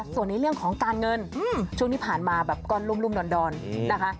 ส่วนในเรื่องของการเงินช่วงที่ผ่านมาแบบก้อนรุ่มดอนนะคะ